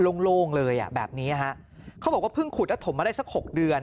โล่งเลยอ่ะแบบนี้ฮะเขาบอกว่าเพิ่งขุดแล้วถมมาได้สักหกเดือน